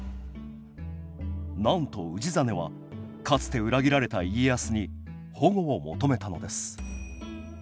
なんと氏真はかつて裏切られた家康に保護を求めたのです